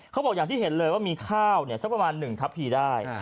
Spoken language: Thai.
อย่างที่เห็นเลยว่ามีข้าวสักประมาณ๑ทัพพีได้